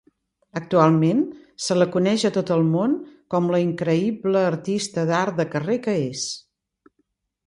Actualment, se la coneix a tot el món com la increïble artista d'art de carrer que és.